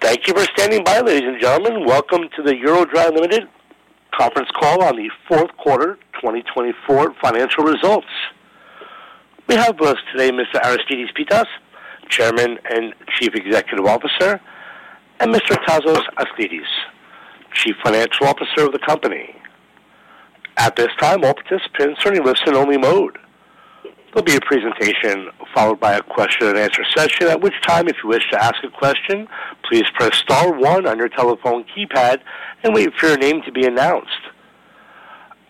Thank you for standing by, ladies and gentlemen. Welcome to the EuroDry Ltd Conference Call on the Fourth Quarter 2024 Financial Results. We have with us today Mr. Aristides Pittas, Chairman and Chief Executive Officer, and Mr. Tasos Aslidis, Chief Financial Officer of the company. At this time, all participants are in listen-only mode. There'll be a presentation followed by a question and answer session, at which time, if you wish to ask a question, please press star one on your telephone keypad and wait for your name to be announced.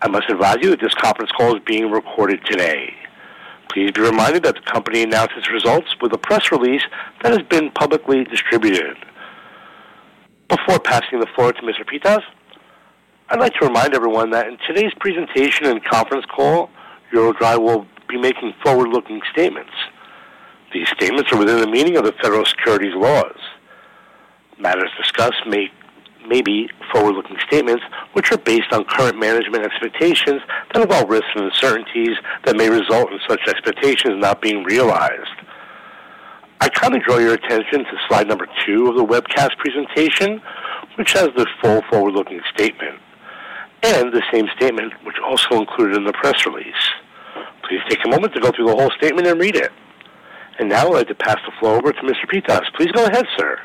I must advise you that this conference call is being recorded today. Please be reminded that the company announces results with a press release that has been publicly distributed. Before passing the floor to Mr. Pittas, I'd like to remind everyone that in today's presentation and conference call, EuroDry will be making forward-looking statements. These statements are within the meaning of the federal securities laws. Matters discussed may be forward-looking statements which are based on current management expectations that involve risks and uncertainties that may result in such expectations not being realized. I kindly draw your attention to slide number two of the webcast presentation, which has the full forward-looking statement and the same statement which is also included in the press release. Please take a moment to go through the whole statement and read it. I would like to pass the floor over to Mr. Pittas. Please go ahead, sir.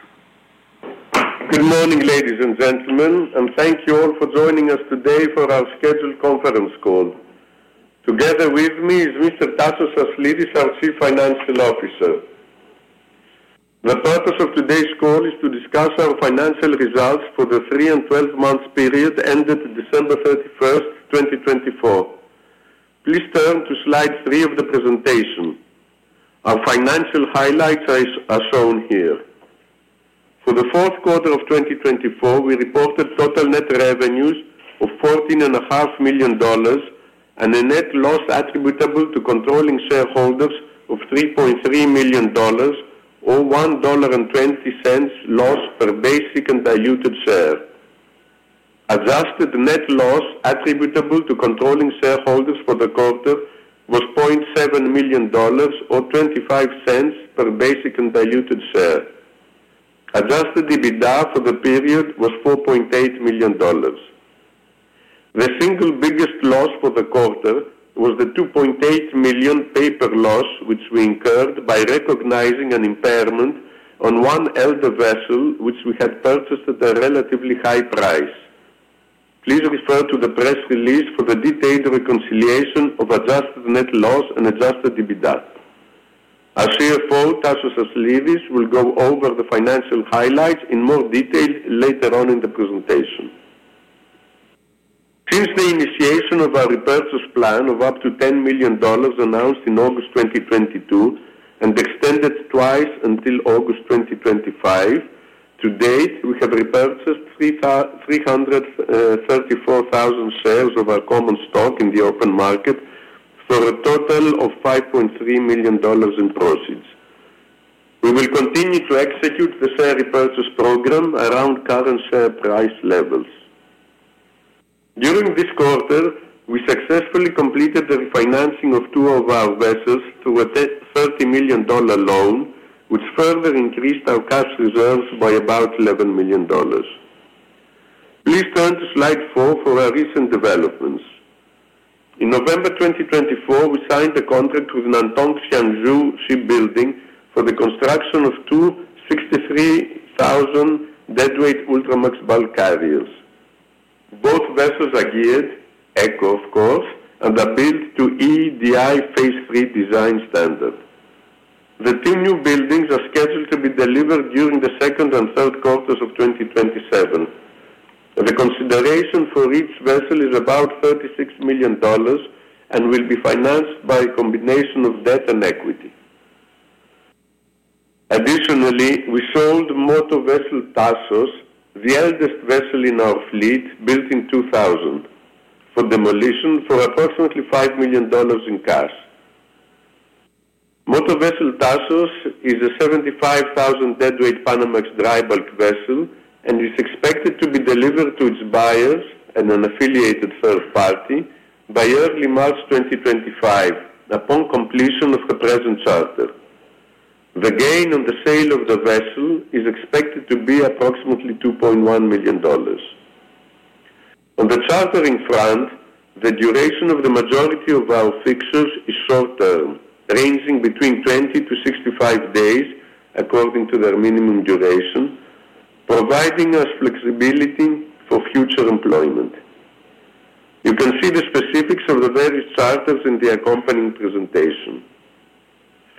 Good morning, ladies and gentlemen, and thank you all for joining us today for our scheduled conference call. Together with me is Mr. Tasos Aslidis, our Chief Financial Officer. The purpose of today's call is to discuss our financial results for the three and 12 months period ended December 31st, 2024. Please turn to slide three of the presentation. Our financial highlights are shown here. For the fourth quarter of 2024, we reported total net revenues of $14.5 million and a net loss attributable to controlling shareholders of $3.3 million, or $1.20 loss per basic and diluted share. Adjusted net loss attributable to controlling shareholders for the quarter was $700,000, or $0.25 per basic and diluted share. Adjusted EBITDA for the period was $4.8 million. The single biggest loss for the quarter was the $2.8 million paper loss which we incurred by recognizing an impairment on one older vessel which we had purchased at a relatively high price. Please refer to the press release for the detailed reconciliation of adjusted net loss and adjusted EBITDA. Our CFO Tasos Aslidis, will go over the financial highlights in more detail later on in the presentation. Since the initiation of our repurchase plan of up to $10 million announced in August 2022 and extended twice until August 2025, to date, we have repurchased 334,000 shares of our common stock in the open market for a total of $5.3 million in proceeds. We will continue to execute the share repurchase program around current share price levels. During this quarter, we successfully completed the refinancing of two of our vessels through a $30 million loan, which further increased our cash reserves by about $11 million. Please turn to slide four for our recent developments. In November 2024, we signed a contract with Nantong Xiangyu Shipbuilding for the construction of two 63,000 DWT Ultramax bulk carriers. Both vessels are geared, eco, of course, and are built to EEDI Phase 3 design standard. The two newbuildings are scheduled to be delivered during the second and third quarters of 2027. The consideration for each vessel is about $36 million and will be financed by a combination of debt and equity. Additionally, we sold Motor Vessel Tasos, the eldest vessel in our fleet, built in 2000, for demolition for approximately $5 million in cash. Motor Vessel Tasos is a 75,000 DWT Panamax dry bulk vessel and is expected to be delivered to its buyers and an affiliated third party by early March 2025, upon completion of the present charter. The gain on the sale of the vessel is expected to be approximately $2.1 million. On the chartering front, the duration of the majority of our fixtures is short term, ranging between 20-65 days according to their minimum duration, providing us flexibility for future employment. You can see the specifics of the various charters in the accompanying presentation.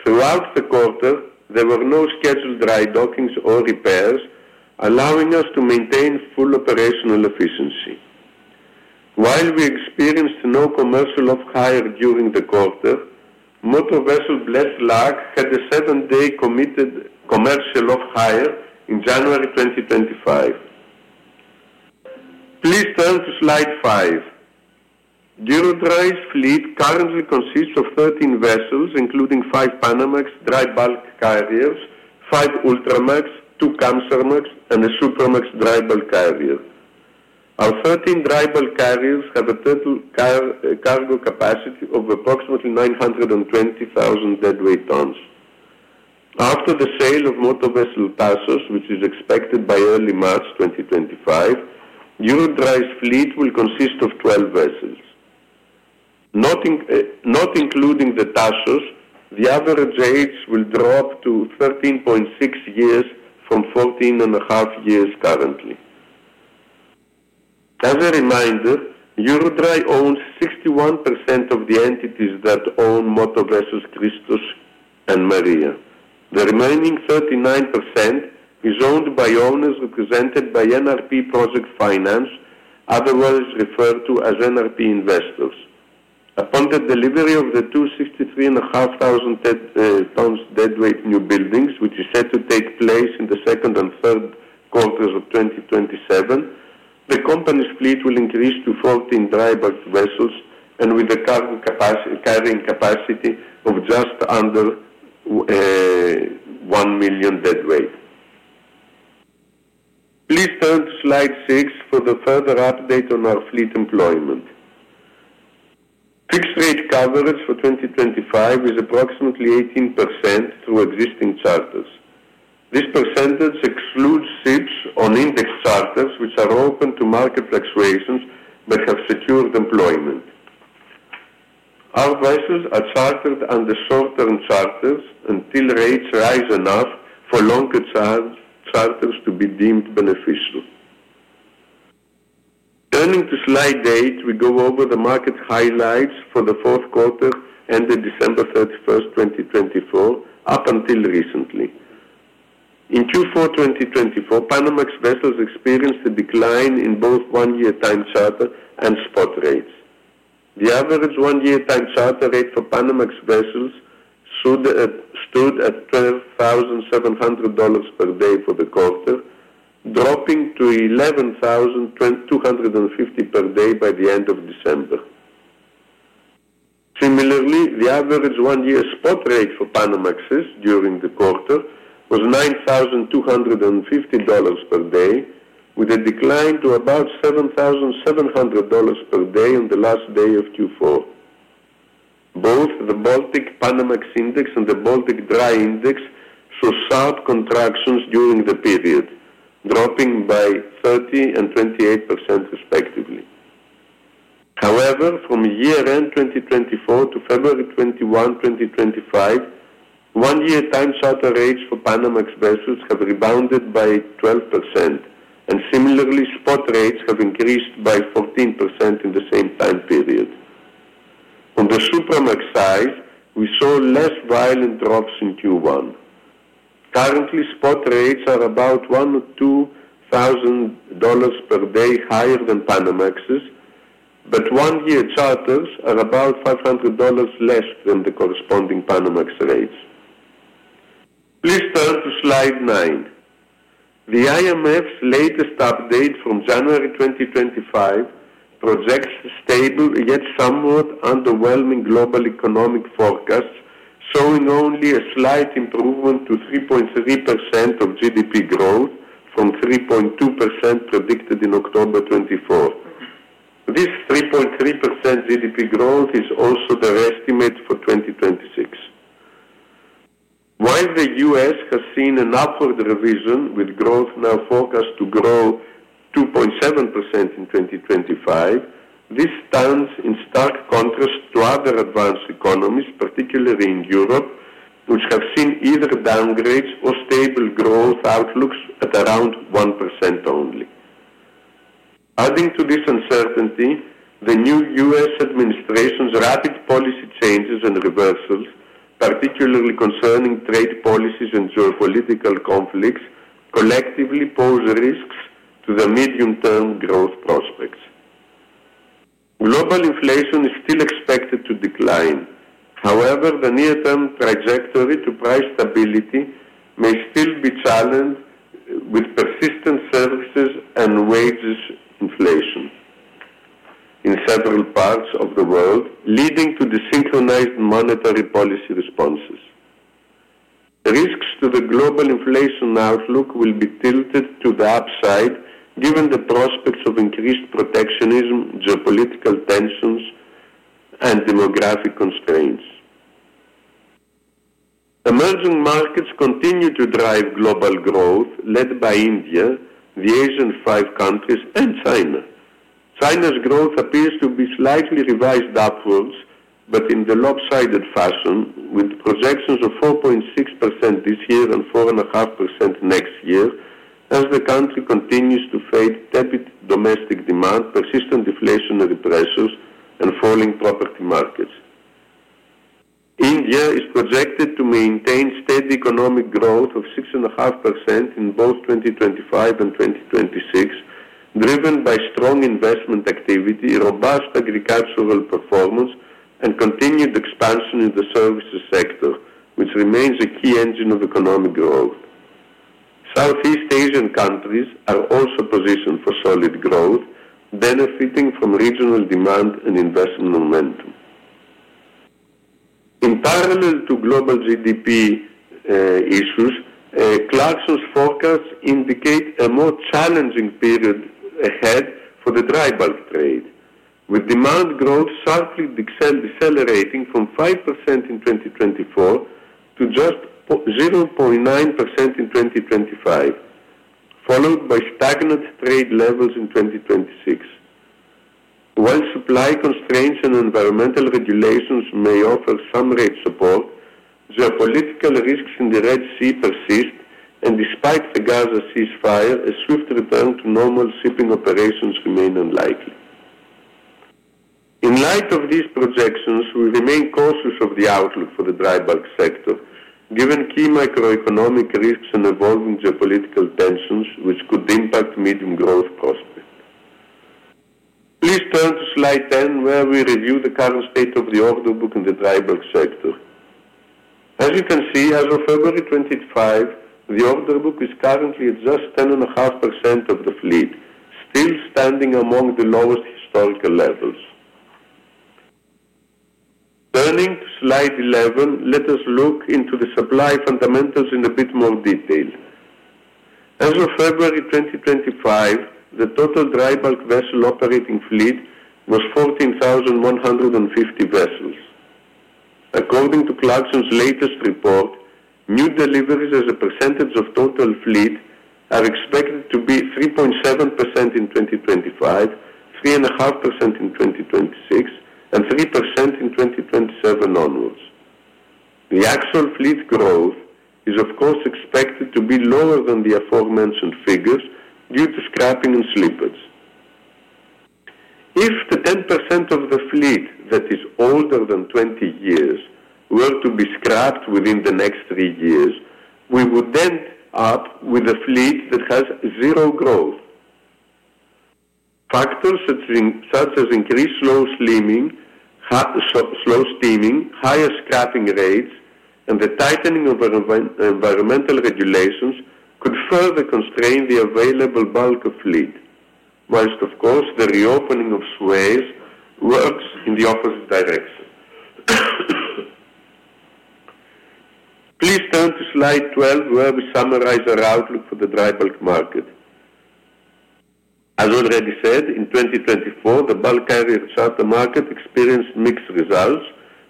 Throughout the quarter, there were no scheduled drydockings or repairs, allowing us to maintain full operational efficiency. While we experienced no commercial off-hire during the quarter, Motor Vessel Blessed Luck had a seven-day committed commercial off-hire in January 2025. Please turn to slide five. EuroDry's fleet currently consists of 13 vessels, including five Panamax dry bulk carriers, five Ultramax, two Kamsarmax, and a Supramax dry bulk carrier. Our 13 dry bulk carriers have a total cargo capacity of approximately 920,000 DWT. After the sale of Motor Vessel Tasos, which is expected by early March 2025, EuroDry's fleet will consist of 12 vessels. Not including the Tasos, the average age will drop to 13.6 years from 14.5 years currently. As a reminder, EuroDry owns 61% of the entities that own Motor Vessels Christos and Maria. The remaining 39% is owned by owners represented by NRP Project Finance, otherwise referred to as NRP Investors. Upon the delivery of the two 63,500 DWT newbuildings, which is set to take place in the second and third quarters of 2027, the company's fleet will increase to 14 dry bulk vessels and with a cargo carrying capacity of just under 1 million DWT. Please turn to slide six for the further update on our fleet employment. Fixed rate coverage for 2025 is approximately 18% through existing charters. This percentage excludes ships on index charters which are open to market fluctuations but have secured employment. Our vessels are chartered under short-term charters until rates rise enough for longer charters to be deemed beneficial. Turning to slide eight, we go over the market highlights for the fourth quarter ended December 31st, 2024, up until recently. In Q4 2024, Panamax vessels experienced a decline in both one-year time charter and spot rates. The average one-year time charter rate for Panamax vessels stood at $12,700 per day for the quarter, dropping to $11,250 per day by the end of December. Similarly, the average one-year spot rate for Panamaxes during the quarter was $9,250 per day, with a decline to about $7,700 per day on the last day of Q4. Both the Baltic Panamax Index and the Baltic Dry Index saw sharp contractions during the period, dropping by 30% and 28% respectively. However, from year-end 2024 to February 21, 2025, one-year time charter rates for Panamax vessels have rebounded by 12%, and similarly, spot rates have increased by 14% in the same time period. On the Supramax side, we saw less violent drops in Q1. Currently, spot rates are about $1,000-$2,000 per day higher than Panamax's, but one-year charters are about $500 less than the corresponding Panamax rates. Please turn to slide nine. The IMF's latest update from January 2025 projects stable yet somewhat underwhelming global economic forecasts, showing only a slight improvement to 3.3% of GDP growth from 3.2% predicted in October 2024. This 3.3% GDP growth is also their estimate for 2026. While the U.S. has seen an upward revision with growth now forecast to grow 2.7% in 2025, this stands in stark contrast to other advanced economies, particularly in Europe, which have seen either downgrades or stable growth outlooks at around 1% only. Adding to this uncertainty, the new U.S. administration's rapid policy changes and reversals, particularly concerning trade policies and geopolitical conflicts, collectively pose risks to the medium-term growth prospects. Global inflation is still expected to decline. However, the near-term trajectory to price stability may still be challenged with persistent services and wages inflation in several parts of the world, leading to desynchronized monetary policy responses. Risks to the global inflation outlook will be tilted to the upside given the prospects of increased protectionism, geopolitical tensions, and demographic constraints. Emerging markets continue to drive global growth, led by India, the ASEAN-5 countries, and China. China's growth appears to be slightly revised upwards, but in the lopsided fashion, with projections of 4.6% this year and 4.5% next year, as the country continues to face tepid domestic demand, persistent deflationary pressures, and falling property markets. India is projected to maintain steady economic growth of 6.5% in both 2025 and 2026, driven by strong investment activity, robust agricultural performance, and continued expansion in the services sector, which remains a key engine of economic growth. Southeast Asian countries are also positioned for solid growth, benefiting from regional demand and investment momentum. In parallel to global GDP issues, Clarksons' forecasts indicate a more challenging period ahead for the dry bulk trade, with demand growth sharply decelerating from 5% in 2024 to just 0.9% in 2025, followed by stagnant trade levels in 2026. While supply constraints and environmental regulations may offer some rate support, geopolitical risks in the Red Sea persist, and despite the Gaza ceasefire, a swift return to normal shipping operations remains unlikely. In light of these projections, we remain cautious of the outlook for the dry bulk sector, given key macroeconomic risks and evolving geopolitical tensions, which could impact medium growth prospects. Please turn to slide 10, where we review the current state of the order book in the dry bulk sector. As you can see, as of February 2025, the order book is currently at just 10.5% of the fleet, still standing among the lowest historical levels. Turning to slide 11, let us look into the supply fundamentals in a bit more detail. As of February 2025, the total dry bulk vessel operating fleet was 14,150 vessels. According to Clarksons' latest report, new deliveries as a percentage of total fleet are expected to be 3.7% in 2025, 3.5% in 2026, and 3% in 2027 onwards. The actual fleet growth is, of course, expected to be lower than the aforementioned figures due to scrapping and slippage. If the 10% of the fleet that is older than 20 years were to be scrapped within the next three years, we would end up with a fleet that has zero growth. Factors such as increased slow steaming, higher scrapping rates, and the tightening of environmental regulations could further constrain the available bulk of fleet, whilst, of course, the reopening of Suez works in the opposite direction. Please turn to slide 12, where we summarize our outlook for the dry bulk market. As already said, in 2024, the bulk carrier charter market experienced mixed results,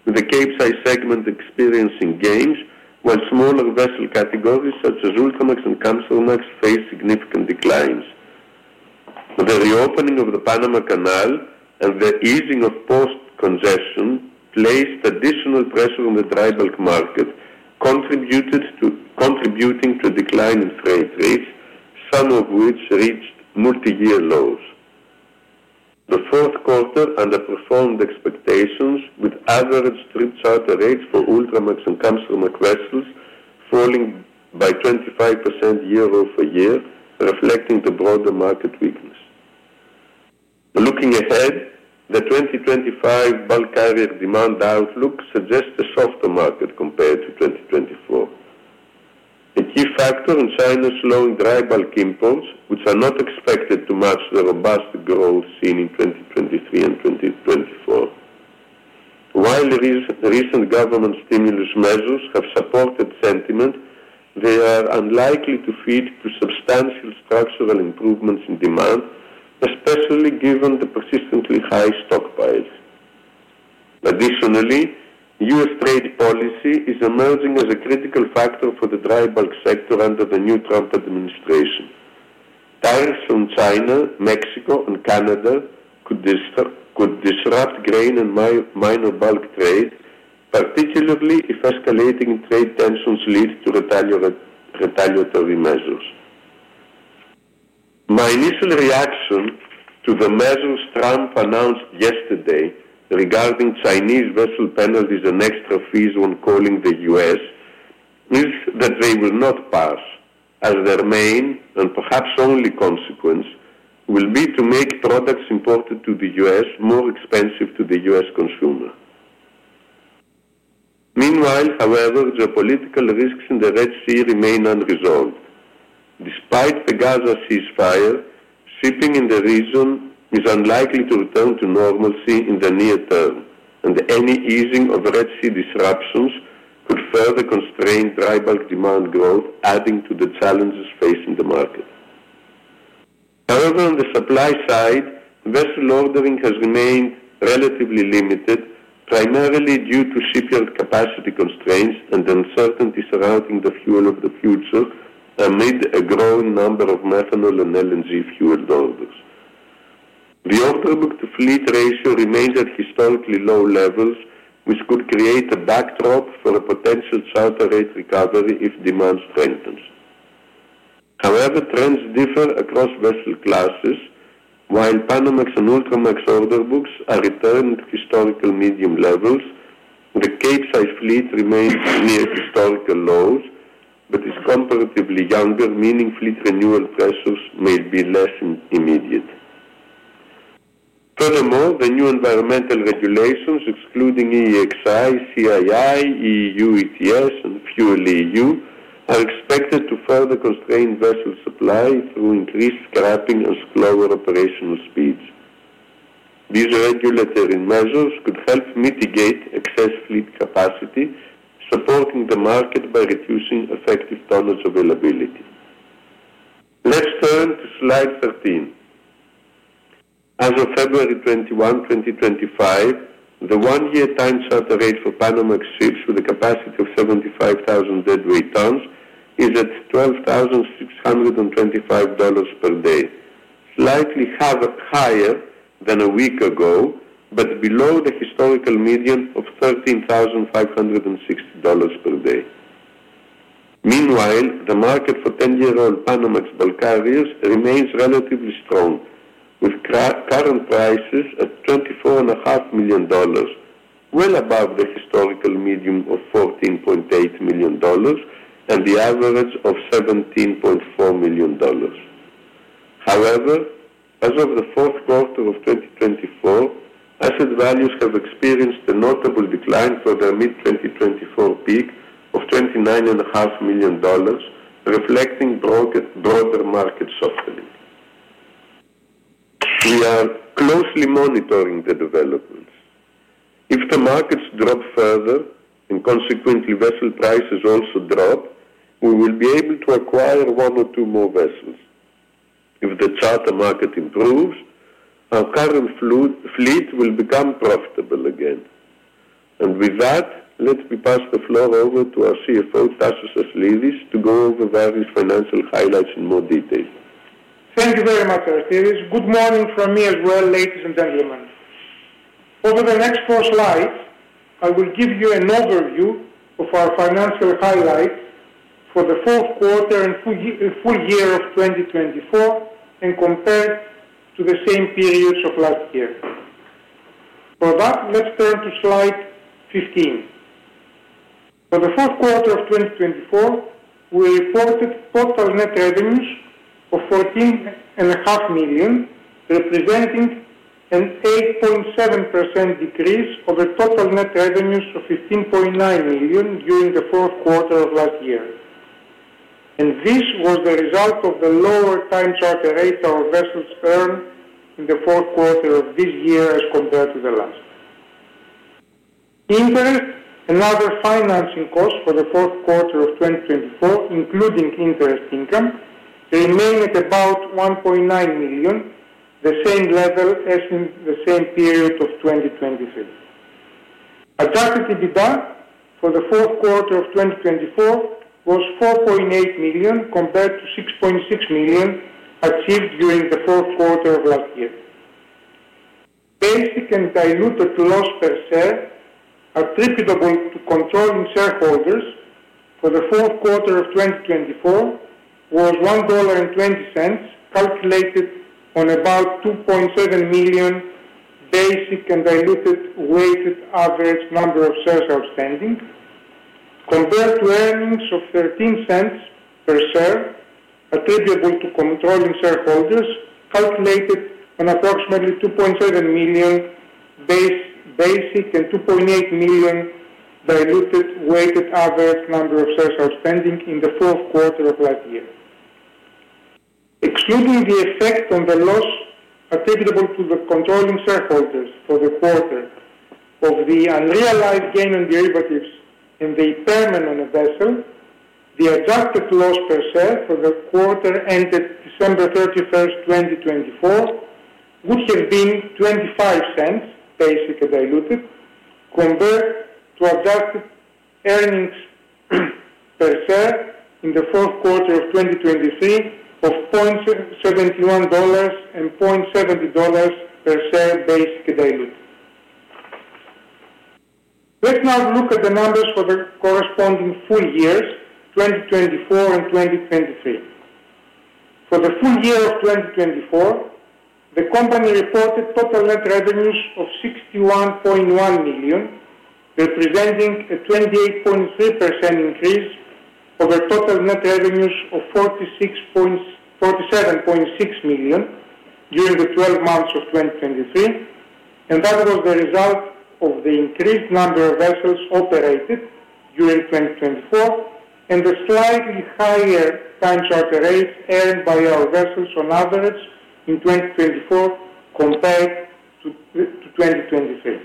with the Capesize segment experiencing gains, while smaller vessel categories such as Ultramax and Kamsarmax faced significant declines. The reopening of the Panama Canal and the easing of port congestion placed additional pressure on the dry bulk market, contributing to a decline in freight rates, some of which reached multi-year lows. The fourth quarter underperformed expectations, with average charter rates for Ultramax and Kamsarmax vessels falling by 25% year-over-year, reflecting the broader market weakness. Looking ahead, the 2025 bulk carrier demand outlook suggests a softer market compared to 2024. A key factor is China's slowing dry bulk imports, which are not expected to match the robust growth seen in 2023 and 2024. While recent government stimulus measures have supported sentiment, they are unlikely to feed to substantial structural improvements in demand, especially given the persistently high stockpiles. Additionally, U.S. trade policy is emerging as a critical factor for the dry bulk sector under the new Trump administration. Tariffs on China, Mexico, and Canada could disrupt grain and minor bulk trade, particularly if escalating trade tensions lead to retaliatory measures. My initial reaction to the measures Trump announced yesterday regarding Chinese vessel penalties and extra fees when calling the U.S. is that they will not pass, as their main and perhaps only consequence will be to make products imported to the U.S. more expensive to the U.S. consumer. Meanwhile, however, geopolitical risks in the Red Sea remain unresolved. Despite the Gaza ceasefire, shipping in the region is unlikely to return to normalcy in the near term, and any easing of Red Sea disruptions could further constrain dry bulk demand growth, adding to the challenges facing the market. However, on the supply side, vessel ordering has remained relatively limited, primarily due to shipyard capacity constraints and uncertainty surrounding the fuel of the future amid a growing number of methanol and LNG fuel orders. The order book-to-fleet ratio remains at historically low levels, which could create a backdrop for a potential charter rate recovery if demand strengthens. However, trends differ across vessel classes. While Panamax and Ultramax order books are returned to historical medium levels, the Capesize fleet remains near historical lows but is comparatively younger, meaning fleet renewal pressures may be less immediate. Furthermore, the new environmental regulations, excluding EEXI, CII, EU ETS, and FuelEU, are expected to further constrain vessel supply through increased scrapping and slower operational speeds. These regulatory measures could help mitigate excess fleet capacity, supporting the market by reducing effective tonnage availability. Let's turn to slide 13. As of February 21, 2025, the one-year time charter rate for Panamax ships with a capacity of 75,000 DWT is at $12,625 per day, slightly higher than a week ago but below the historical median of $13,560 per day. Meanwhile, the market for 10-year-old Panamax bulk carriers remains relatively strong, with current prices at $24.5 million, well above the historical median of $14.8 million and the average of $17.4 million. However, as of the fourth quarter of 2024, asset values have experienced a notable decline from their mid-2024 peak of $29.5 million, reflecting broader market softening. We are closely monitoring the developments. If the markets drop further and consequently vessel prices also drop, we will be able to acquire one or two more vessels. If the charter market improves, our current fleet will become profitable again. With that, let me pass the floor over to our CFO, Tasos Aslidis, to go over various financial highlights in more detail. Thank you very much, Aristides. Good morning from me as well, ladies and gentlemen. Over the next four slides, I will give you an overview of our financial highlights for the fourth quarter and full year of 2024 and compare to the same periods of last year. For that, let's turn to slide 15. For the fourth quarter of 2024, we reported total net revenues of $14.5 million, representing an 8.7% decrease over total net revenues of $15.9 million during the fourth quarter of last year. This was the result of the lower time charter rate our vessels earned in the fourth quarter of this year as compared to the last. Interest and other financing costs for the fourth quarter of 2024, including interest income, remain at about $1.9 million, the same level as in the same period of 2023. Adjusted EBITDA for the fourth quarter of 2024 was $4.8 million compared to $6.6 million achieved during the fourth quarter of last year. Basic and diluted loss per share, attributable to controlling shareholders, for the fourth quarter of 2024 was $1.20, calculated on about 2.7 million basic and diluted weighted average number of shares outstanding, compared to earnings of $0.13 per share, attributable to controlling shareholders, calculated on approximately 2.7 million basic and 2.8 million diluted weighted average number of shares outstanding in the fourth quarter of last year. Excluding the effect on the loss attributable to the controlling shareholders for the quarter of the unrealized gain on derivatives and the impairment on the vessel, the adjusted loss per share for the quarter ended December 31st, 2024, would have been $0.25 basic and diluted, converted to adjusted earnings per share in the fourth quarter of 2023 of $0.71 and $0.70 per share basic and diluted. Let's now look at the numbers for the corresponding full years, 2024 and 2023. For the full year of 2024, the company reported total net revenues of $61.1 million, representing a 28.3% increase over total net revenues of $47.6 million during the 12 months of 2023. That was the result of the increased number of vessels operated during 2024 and the slightly higher time charter rates earned by our vessels on average in 2024 compared to 2023.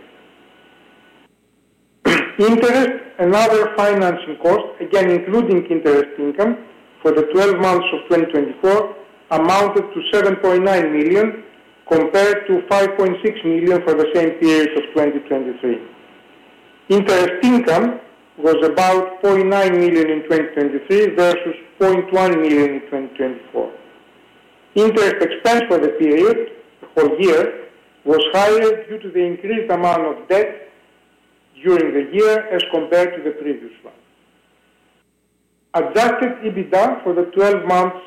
Interest and other financing costs, again including interest income for the 12 months of 2024, amounted to $7.9 million compared to $5.6 million for the same period of 2023. Interest income was about $4.9 million in 2023 versus $4.1 million in 2024. Interest expense for the period, or year, was higher due to the increased amount of debt during the year as compared to the previous one. Adjusted EBITDA for the 12 months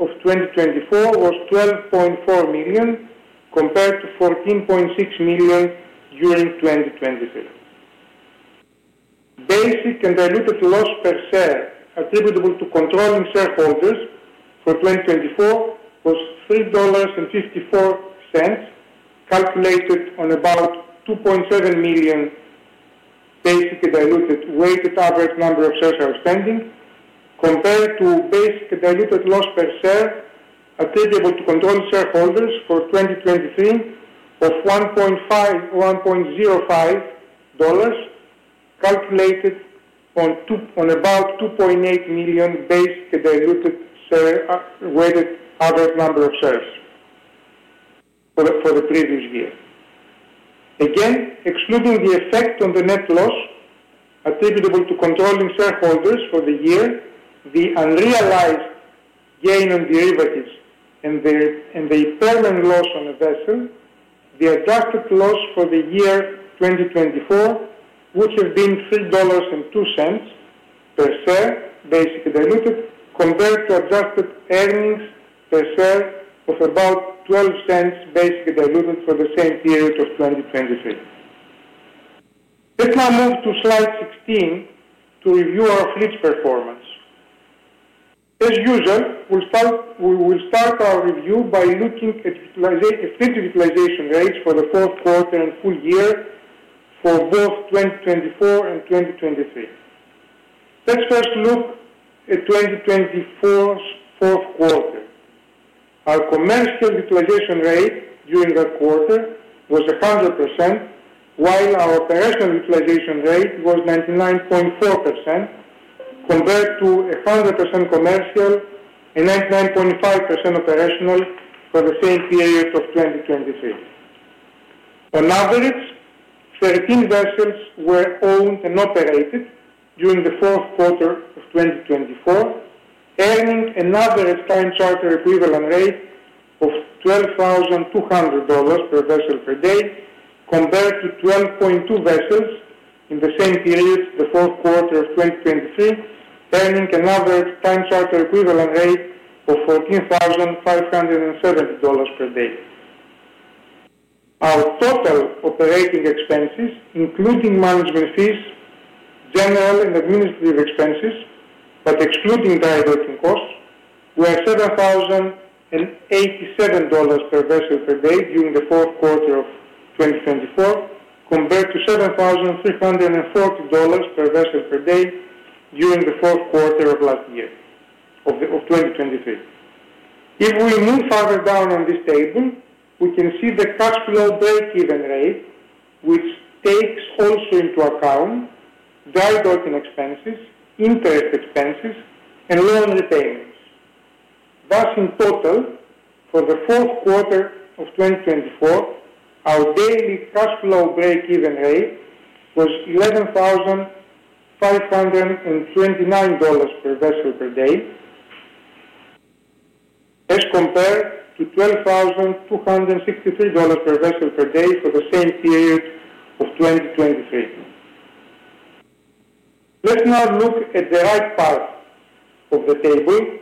of 2024 was $12.4 million compared to $14.6 million during 2023. Basic and diluted loss per share attributable to controlling shareholders for 2024 was $3.54, calculated on about 2.7 million basic and diluted weighted average number of shares outstanding, compared to basic and diluted loss per share attributable to controlling shareholders for 2023 of $1.05, calculated on about 2.8 million basic and diluted weighted average number of shares for the previous year. Again, excluding the effect on the net loss attributable to controlling shareholders for the year, the unrealized gain on derivatives and the impairment loss on the vessel, the adjusted loss for the year 2024 would have been $3.02 per share basic and diluted, compared to adjusted earnings per share of about $0.12 basic and diluted for the same period of 2023. Let's now move to slide 16 to review our fleet performance. As usual, we will start our review by looking at fleet utilization rates for the fourth quarter and full year for both 2024 and 2023. Let's first look at 2024's fourth quarter. Our commercial utilization rate during that quarter was 100%, while our operational utilization rate was 99.4%, compared to 100% commercial and 99.5% operational for the same period of 2023. On average, 13 vessels were owned and operated during the fourth quarter of 2024, earning an average time charter equivalent rate of $12,200 per vessel per day, compared to 12.2 vessels in the same period of the fourth quarter of 2023, earning an average time charter equivalent rate of $14,570 per day. Our total operating expenses, including management fees, general and administrative expenses, but excluding direct costs, were $7,087 per vessel per day during the fourth quarter of 2024, compared to $7,340 per vessel per day during the fourth quarter of last year of 2023. If we move further down on this table, we can see the cash flow break-even rate, which takes also into account direct expenses, interest expenses, and loan repayments. Thus, in total, for the fourth quarter of 2024, our daily cash flow break-even rate was $11,529 per vessel per day, as compared to $12,263 per vessel per day for the same period of 2023. Let's now look at the right part of the table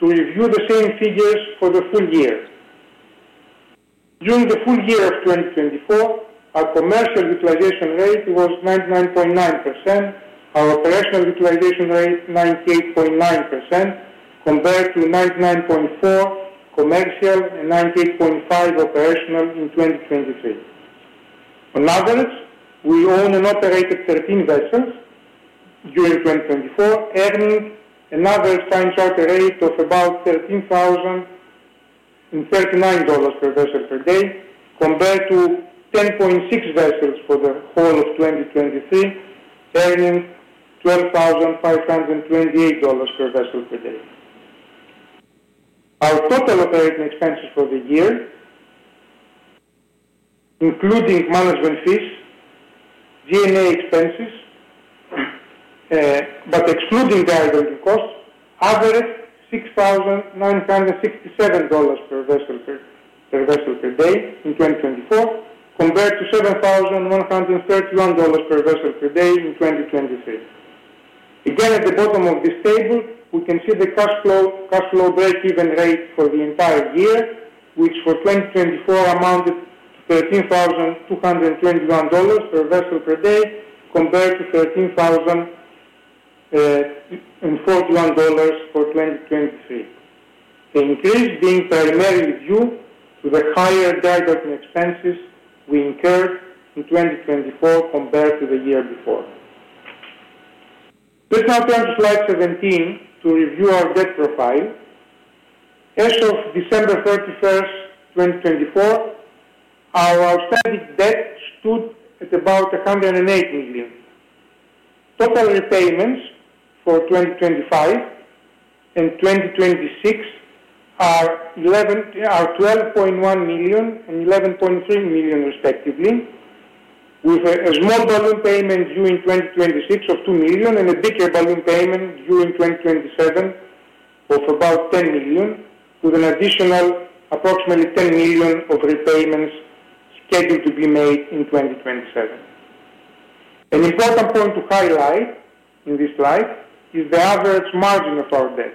to review the same figures for the full year. During the full year of 2024, our commercial utilization rate was 99.9%, our operational utilization rate 98.9%, compared to 99.4% commercial and 98.5% operational in 2023. On average, we owned and operated 13 vessels during 2024, earning an average time charter rate of about $13,039 per vessel per day, compared to 10.6 vessels for the whole of 2023, earning $12,528 per vessel per day. Our total operating expenses for the year, including management fees, G&A expenses, but excluding drydocking costs, averaged $6,967 per vessel per day in 2024, compared to $7,131 per vessel per day in 2023. Again, at the bottom of this table, we can see the cash flow break-even rate for the entire year, which for 2024 amounted to $13,221 per vessel per day, compared to $13,041 for 2023. The increase being primarily due to the higher drydocking expenses we incurred in 2024 compared to the year before. Let's now turn to slide 17 to review our debt profile. As of December 31st, 2024, our outstanding debt stood at about $108 million. Total repayments for 2025 and 2026 are $12.1 million and $11.3 million, respectively, with a small balloon payment due in 2026 of $2 million and a bigger balloon payment due in 2027 of about $10 million, with an additional approximately $10 million of repayments scheduled to be made in 2027. An important point to highlight in this slide is the average margin of our debt,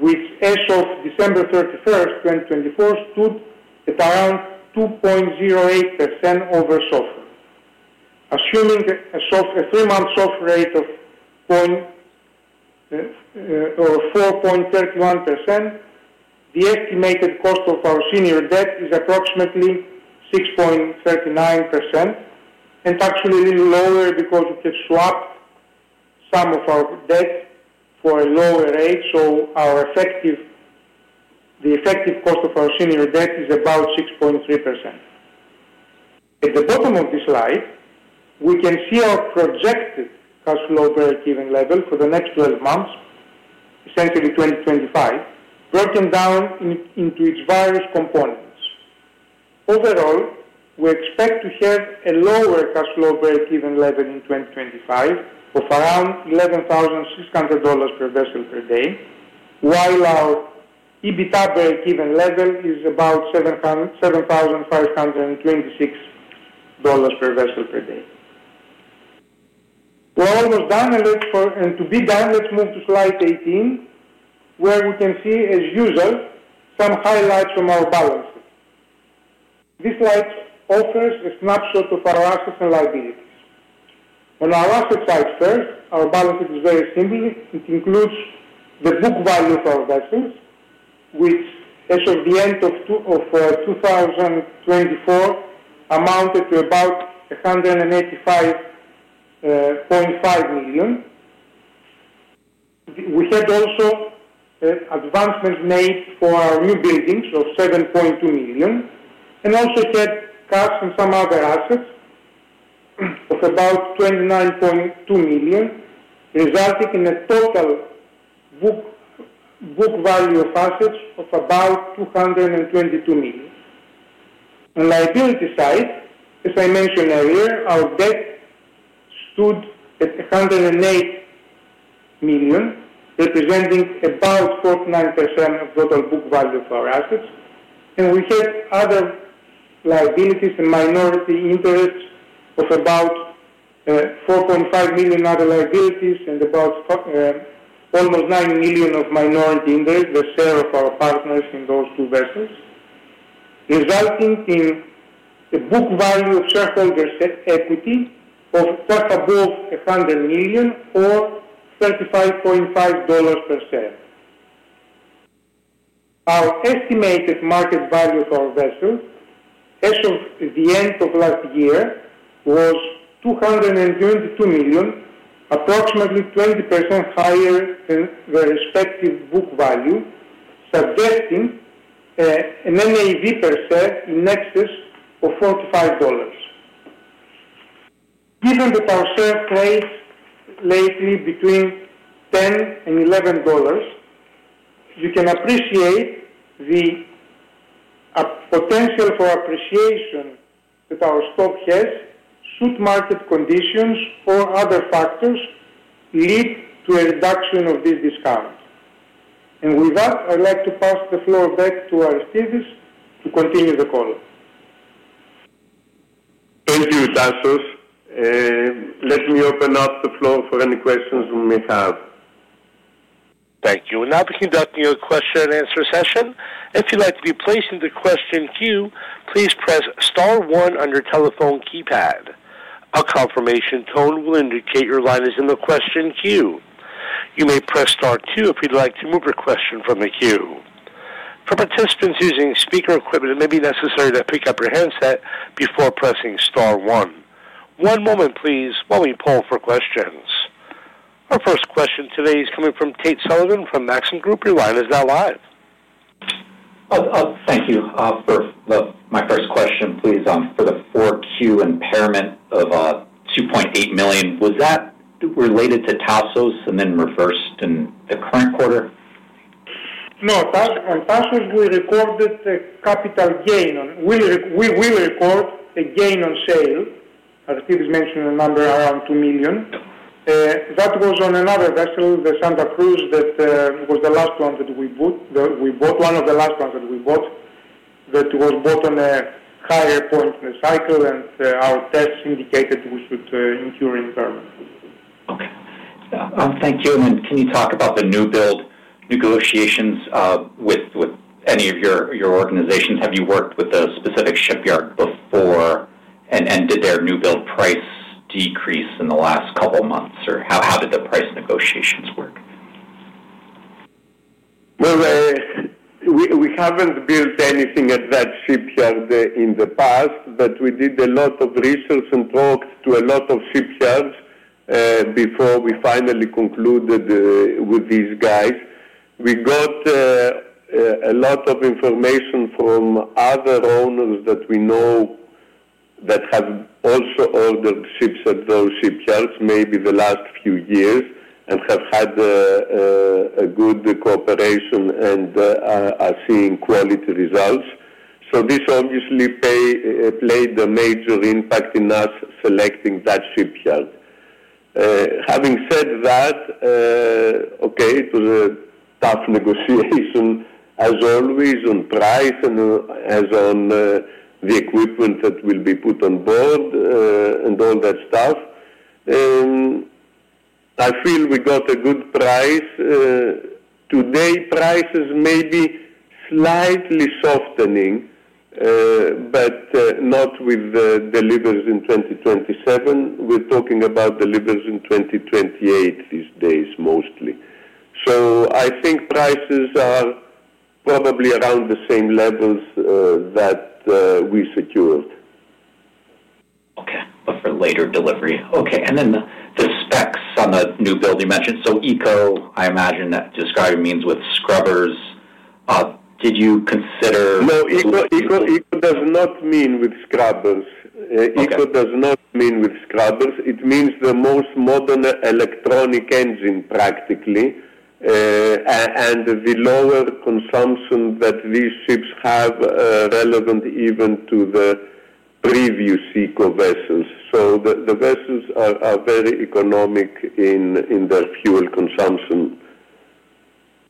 which as of December 31st, 2024, stood at around 2.08% over SOFR. Assuming a three-month SOFR rate of 4.31%, the estimated cost of our senior debt is approximately 6.39%, and actually a little lower because we can swap some of our debt for a lower rate, so the effective cost of our senior debt is about 6.3%. At the bottom of this slide, we can see our projected cash flow break-even level for the next 12 months, essentially 2025, broken down into its various components. Overall, we expect to have a lower cash flow break-even level in 2025 of around $11,600 per vessel per day, while our EBITDA break-even level is about $7,526 per vessel per day. We're almost done, and to be done, let's move to slide 18, where we can see, as usual, some highlights from our balance sheet. This slide offers a snapshot of our assets and liabilities. On our asset side first, our balance sheet is very simple. It includes the book value for our vessels, which as of the end of 2024 amounted to about $185.5 million. We had also advancements made for our newbuildings of $7.2 million, and also had cash and some other assets of about $29.2 million, resulting in a total book value of assets of about $222 million. On liability side, as I mentioned earlier, our debt stood at $108 million, representing about 49% of total book value for our assets. We had other liabilities and minority interests of about $4.5 million other liabilities and about almost $9 million of minority interests, the share of our partners in those two vessels, resulting in the book value of shareholders' equity of just above $100 million or $35.5 per share. Our estimated market value for our vessels, as of the end of last year, was $222 million, approximately 20% higher than the respective book value, suggesting an NAV per share in excess of $45. Given that our share trades lately between $10 and $11, you can appreciate the potential for appreciation that our stock has, should market conditions or other factors lead to a reduction of this discount. With that, I'd like to pass the floor back to Aristides to continue the call. Thank you, Tasos. Let me open up the floor for any questions we may have. Thank you. Now beginning the question and answer session. If you'd like to be placed in the question queue, please press star one on your telephone keypad. A confirmation tone will indicate your line is in the question queue. You may press star two if you'd like to move your question from the queue. For participants using speaker equipment, it may be necessary to pick up your handset before pressing star one. One moment, please, while we poll for questions. Our first question today is coming from Tate Sullivan from Maxim Group. Your line is now live. Thank you for my first question, please. For the Q4 impairment of $2.8 million, was that related to Tasos and then reversed in the current quarter? No, Tasos will record the capital gain. We will record the gain on sale. Aristides mentioned a number around $2 million. That was on another vessel, the Santa Cruz, that was the last one that we bought. One of the last ones that we bought that was bought on a higher point in the cycle, and our tests indicated we should incur impairment. Okay. Thank you. Can you talk about the new build negotiations with any of your organizations? Have you worked with a specific shipyard before, and did their new build price decrease in the last couple of months? How did the price negotiations work? We have not built anything at that shipyard in the past, but we did a lot of research and talked to a lot of shipyards before we finally concluded with these guys. We got a lot of information from other owners that we know that have also ordered ships at those shipyards, maybe the last few years, and have had a good cooperation and are seeing quality results. This obviously played a major impact in us selecting that shipyard. Having said that, it was a tough negotiation, as always, on price and as on the equipment that will be put on board and all that stuff. I feel we got a good price. Today, prices may be slightly softening, but not with deliveries in 2027. We're talking about deliveries in 2028 these days, mostly. I think prices are probably around the same levels that we secured for later delivery. Okay. And then the specs on the new build you mentioned, so eco, I imagine that described means with scrubbers. Did you consider? No, eco does not mean with scrubbers. Eco does not mean with scrubbers. It means the most modern electronic engine, practically, and the lower consumption that these ships have relevant even to the previous eco vessels. The vessels are very economic in their fuel consumption.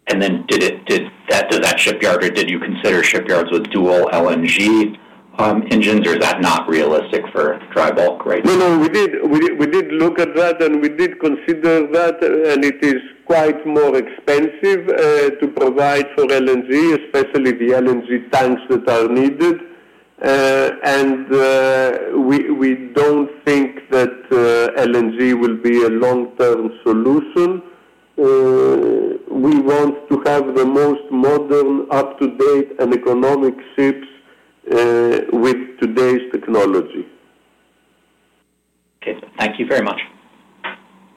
Does that shipyard, or did you consider shipyards with dual LNG engines, or is that not realistic for dry bulk right now? No, no. We did look at that, and we did consider that, and it is quite more expensive to provide for LNG, especially the LNG tanks that are needed. We do not think that LNG will be a long-term solution. We want to have the most modern, up-to-date, and economic ships with today's technology. Okay. Thank you very much.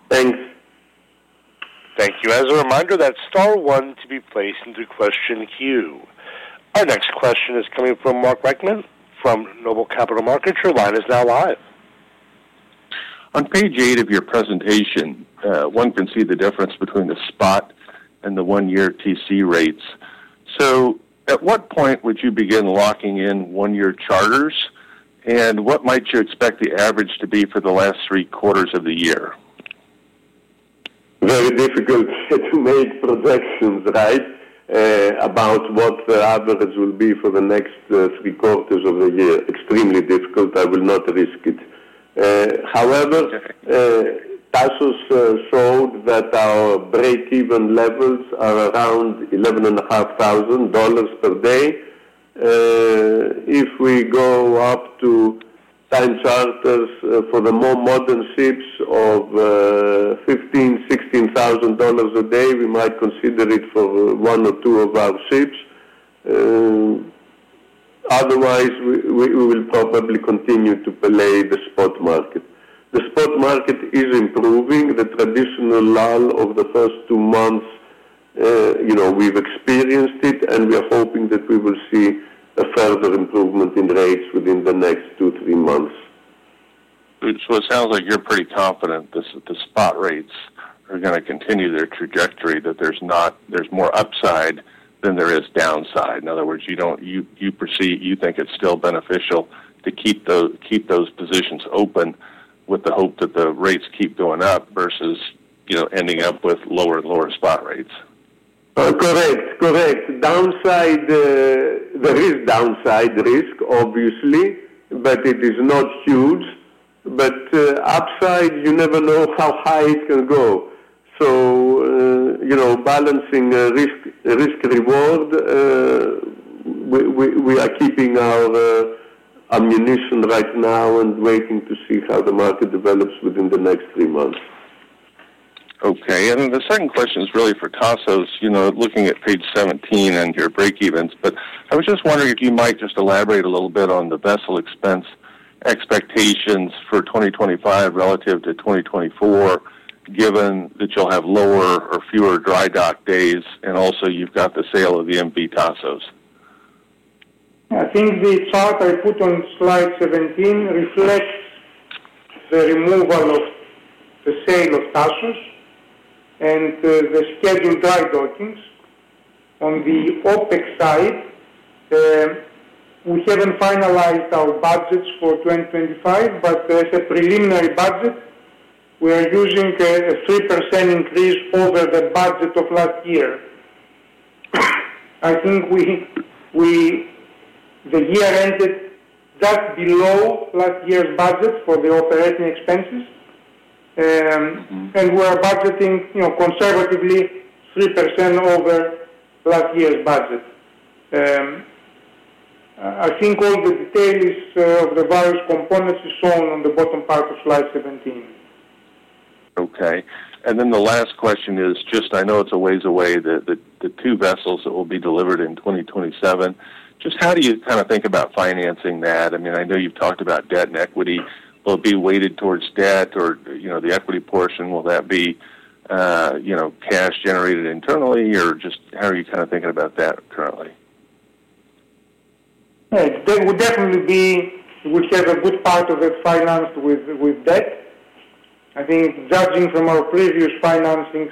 Thanks. Thank you. As a reminder, that's star one to be placed into question queue. Our next question is coming from Mark Reichman from Noble Capital Markets. Your line is now live. On page eight of your presentation, one can see the difference between the spot and the one-year TC rates. At what point would you begin locking in one-year charters, and what might you expect the average to be for the last three quarters of the year? Very difficult to make projections about what the average will be for the next three quarters of the year. Extremely difficult. I will not risk it. However, Tasos showed that our break-even levels are around $11,500 per day. If we go up to time charters for the more modern ships of $15,000-$16,000 a day, we might consider it for one or two of our ships. Otherwise, we will probably continue to play the spot market. The spot market is improving. The traditional lull of the first two months, we've experienced it, and we are hoping that we will see a further improvement in rates within the next two, three months. It sounds like you're pretty confident that the spot rates are going to continue their trajectory, that there's more upside than there is downside. In other words, you think it's still beneficial to keep those positions open with the hope that the rates keep going up versus ending up with lower and lower spot rates? Correct. Correct. There is downside risk, obviously, but it is not huge. Upside, you never know how high it can go. Balancing risk-reward, we are keeping our ammunition right now and waiting to see how the market develops within the next three months. Okay. The second question is really for Tasos, looking at page 17 and your break-evens, but I was just wondering if you might just elaborate a little bit on the vessel expense expectations for 2025 relative to 2024, given that you'll have lower or fewer dry dock days, and also you've got the sale of MV Tasos. I think the chart I put on slide 17 reflects the removal of the sale of Tasos and the scheduled drydockings. On the OpEx side, we haven't finalized our budgets for 2025, but as a preliminary budget, we are using a 3% increase over the budget of last year. I think the year ended just below last year's budget for the operating expenses, and we are budgeting conservatively 3% over last year's budget. I think all the details of the various components are shown on the bottom part of slide 17. Okay. The last question is just, I know it's a ways away, the two vessels that will be delivered in 2027. Just how do you kind of think about financing that? I mean, I know you've talked about debt and equity. Will it be weighted towards debt, or the equity portion, will that be cash generated internally, or just how are you kind of thinking about that currently? It will definitely be whichever good part of it's financed with debt. I think judging from our previous financings,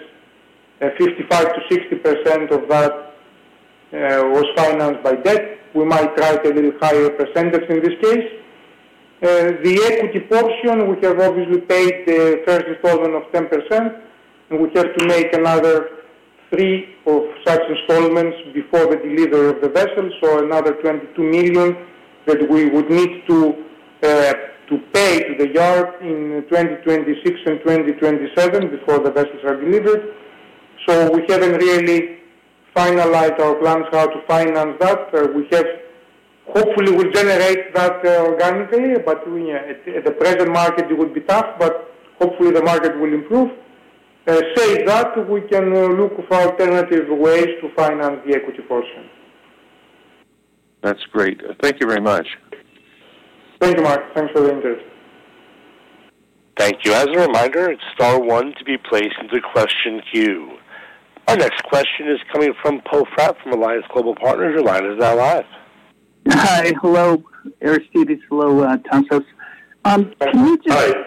55%-60% of that was financed by debt. We might try to get a higher percentage in this case. The equity portion, we have obviously paid the first installment of 10%, and we have to make another three of such installments before the delivery of the vessels, so another $22 million that we would need to pay to the yard in 2026 and 2027 before the vessels are delivered. We have not really finalized our plans how to finance that. We hopefully will generate that organically, but at the present market, it would be tough, but hopefully the market will improve. Save that, we can look for alternative ways to finance the equity portion. That's great. Thank you very much. Thank you, Mark. Thanks for the interest. Thank you. As a reminder, star one to be placed into question queue. Our next question is coming from Poe Fratt from Alliance Global Partners. Your line is now live. Hi. Hello Aristides, hello, Tasos. Can you just. Hi.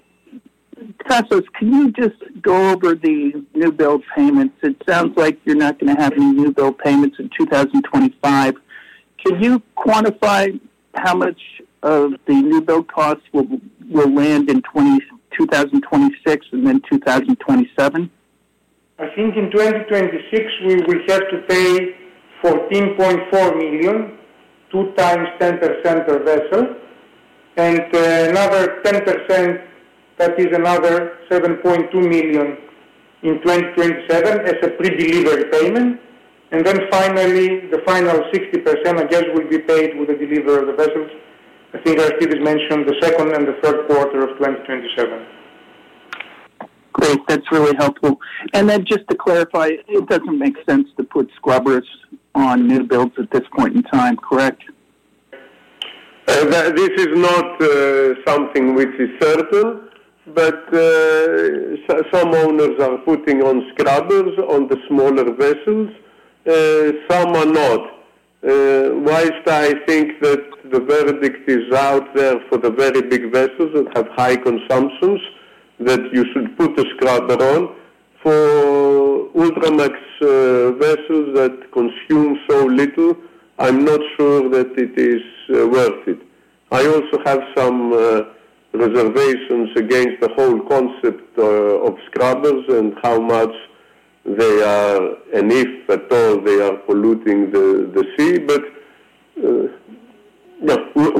Tasos, can you just go over the new build payments? It sounds like you're not going to have any new build payments in 2025. Can you quantify how much of the new build costs will land in 2026 and then 2027? I think in 2026, we will have to pay $14.4 million, two times 10% per vessel, and another 10%, that is another $7.2 million in 2027 as a pre-delivery payment. Finally, the final 60%, I guess, will be paid with the delivery of the vessels. I think Aristides mentioned the second and the third quarter of 2027. Great. That's really helpful. Just to clarify, it doesn't make sense to put scrubbers on new builds at this point in time, correct? This is not something which is certain, but some owners are putting on scrubbers on the smaller vessels. Some are not. Whilst I think that the verdict is out there for the very big vessels that have high consumptions, that you should put a scrubber on. For Ultramax vessels that consume so little, I'm not sure that it is worth it. I also have some reservations against the whole concept of scrubbers and how much they are, and if at all they are polluting the sea, but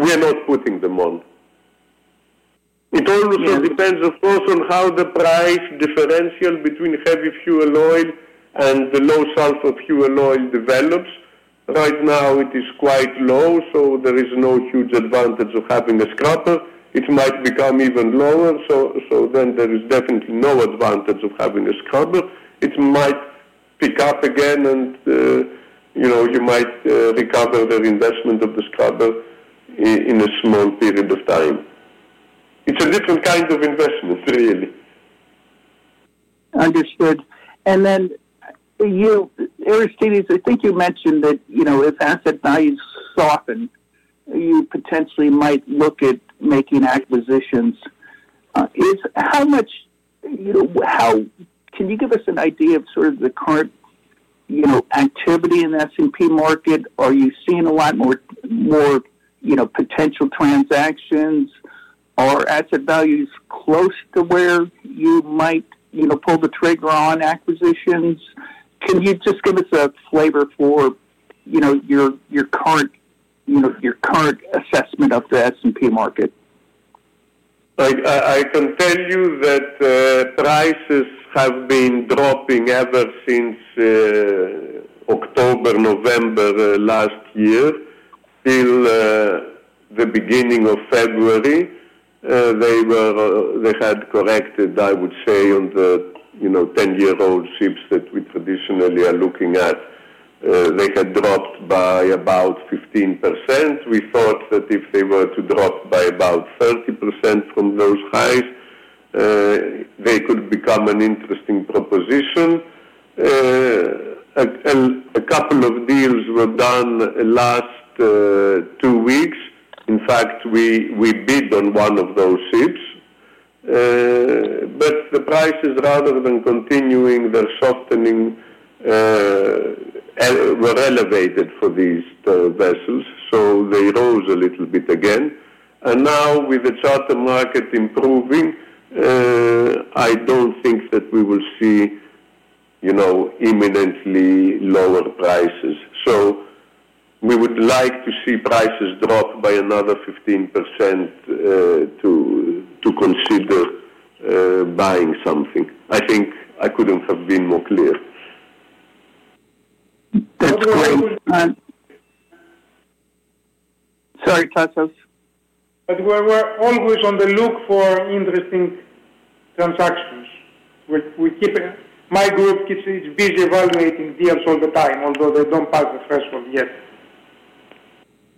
we are not putting them on. It also depends, of course, on how the price differential between heavy fuel oil and the low sulfur fuel oil develops. Right now, it is quite low, so there is no huge advantage of having a scrubber. It might become even lower, so there is definitely no advantage of having a scrubber. It might pick up again, and you might recover the reinvestment of the scrubber in a small period of time. It's a different kind of investment, really. Understood. Aristides, I think you mentioned that if asset values soften, you potentially might look at making acquisitions. How much can you give us an idea of sort of the current activity in the S&P market? Are you seeing a lot more potential transactions? Are asset values close to where you might pull the trigger on acquisitions? Can you just give us a flavor for your current assessment of the S&P market? I can tell you that prices have been dropping ever since October, November last year. Until the beginning of February, they had corrected, I would say, on the 10 year-old ships that we traditionally are looking at. They had dropped by about 15%. We thought that if they were to drop by about 30% from those highs, they could become an interesting proposition. A couple of deals were done last two weeks. In fact, we bid on one of those ships, but the prices, rather than continuing, they're softening, were elevated for these vessels, so they rose a little bit again. Now, with the charter market improving, I don't think that we will see imminently lower prices. We would like to see prices drop by another 15% to consider buying something. I think I couldn't have been more clear. That's great. Sorry, Tasos. We're always on the look for interesting transactions. My group keeps busy evaluating deals all the time, although they don't pass the threshold yet.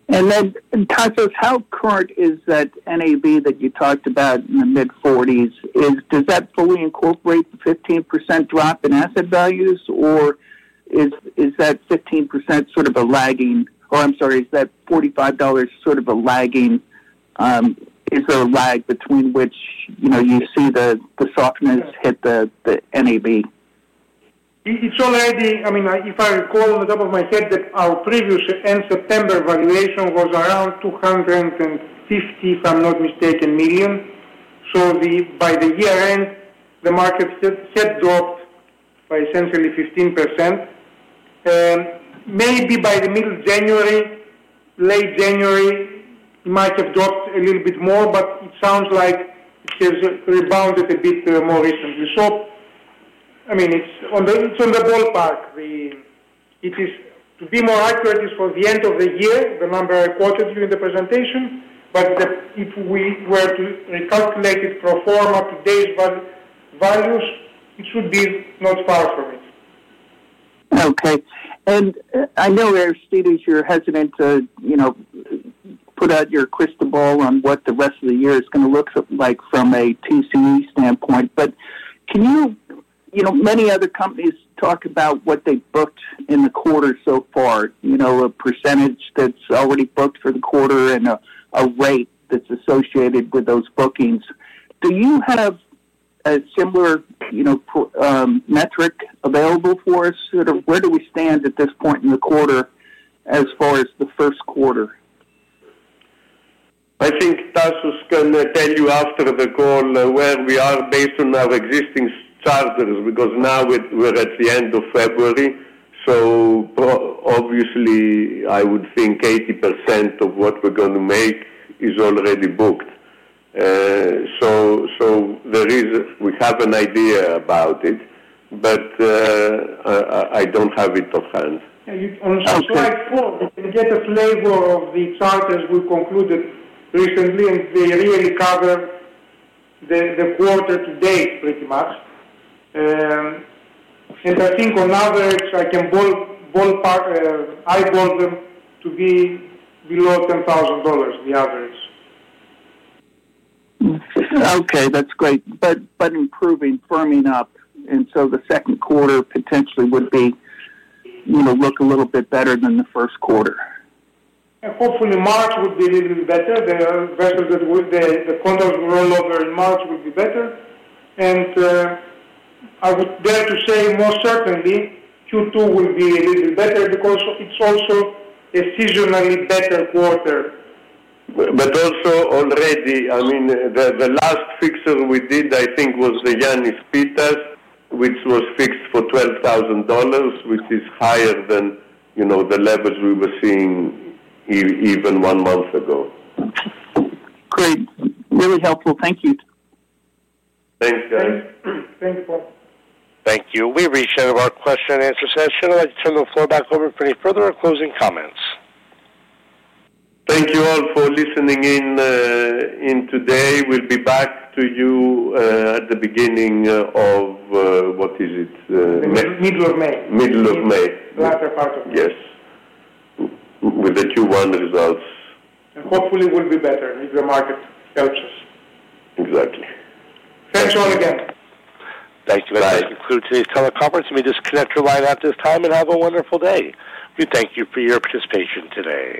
Tasos, how current is that NAV that you talked about in the mid-forties? Does that fully incorporate the 15% drop in asset values, or is that 15% sort of a lagging—oh, I'm sorry, is that $45 sort of a lagging? Is there a lag between which you see the softness hit the NAV? It's already—I mean, if I recall on the top of my head, our previous end September valuation was around $250 million, if I'm not mistaken. So by the year end, the market had dropped by essentially 15%. Maybe by the middle of January, late January, it might have dropped a little bit more, but it sounds like it has rebounded a bit more recently. I mean, it's on the ballpark. To be more accurate, it's for the end of the year, the number I quoted you in the presentation, but if we were to recalculate it pro forma to today's values, it should be not far from it. Okay. I know, Aristides, you're hesitant to put out your crystal ball on what the rest of the year is going to look like from a TC standpoint, but can you—many other companies talk about what they've booked in the quarter so far, a percentage that's already booked for the quarter and a rate that's associated with those bookings. Do you have a similar metric available for us? Where do we stand at this point in the quarter as far as the first quarter? I think Tasos can tell you after the call where we are based on our existing charters, because now we're at the end of February. Obviously, I would think 80% of what we're going to make is already booked. We have an idea about it, but I don't have it offhand. I'm so glad to get a flavor of the charters we concluded recently, and they really cover the quarter to date pretty much. I think on average, I ball them to be below $10,000, the average. Okay. That's great. Improving, firming up, and the second quarter potentially would look a little bit better than the first quarter. Hopefully, March would be a little better. The quarter roll over in March would be better. I would dare to say more certainly, Q2 will be a little better because it's also a seasonally better quarter. But also already, I mean, the last fixer we did, I think, was the Yannis Pittas, which was fixed for $12,000, which is higher than the levels we were seeing even one month ago. Great. Really helpful. Thank you. Thanks, guys. Thank you. Thank you. We reached the end of our question and answer session. I'd like to turn the floor back over for any further or closing comments. Thank you all for listening in today. We'll be back to you at the beginning of—what is it? Middle of May. Middle of May. The latter part of May. Yes. With the Q1 results. And hopefully, we'll be better if the market helps us. Exactly. Thanks all again. Thank you, guys. Thank you, Aristides. Tell our conference meetings to collect your line at this time, and have a wonderful day. We thank you for your participation today.